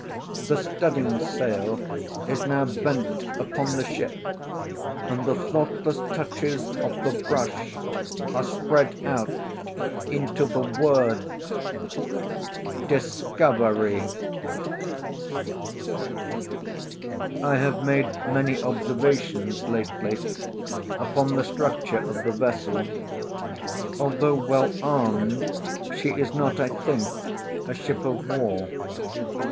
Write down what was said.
The studding sail is now bent upon the ship, and the thoughtless touches of the brush are spread out into the word DISCOVERY. I have made many observations lately upon the structure of the vessel. Although well armed, she is not, I think, a ship of war.